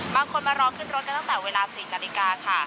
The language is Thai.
มารอขึ้นรถกันตั้งแต่เวลา๔นาฬิกาค่ะ